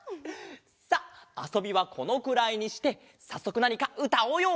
さっあそびはこのくらいにしてさっそくなにかうたおうよ。